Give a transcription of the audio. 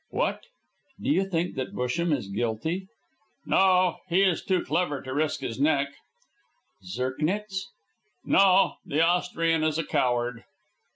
"What! Do you think that Busham is guilty?" "No; he is too clever to risk his neck." "Zirknitz?" "No; the Austrian is a coward."